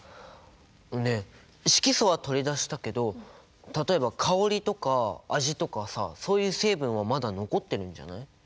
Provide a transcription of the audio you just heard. ねえ色素は取り出したけど例えば香りとか味とかさそういう成分はまだ残ってるんじゃない？